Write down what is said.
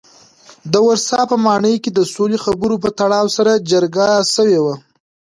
د ورسا په ماڼۍ کې د سولې خبرو په تړاو سره جرګه شوي وو.